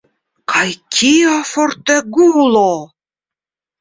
Kaj kia fortegulo!